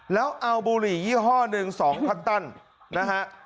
แล้วเอาบุรียี่ห้อ๑๒คัตตอนนะฮะ